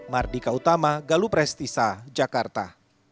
mardika utama galup resti sa jakarta